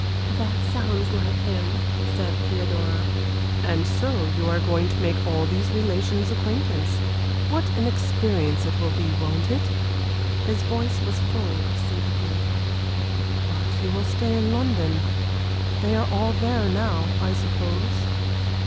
"That sounds like him," said Theodora. "And so you are going to make all these relations' acquaintance. What an experience it will be, won't it?" His voice was full of sympathy. "But you will stay in London. They are all there now, I suppose?"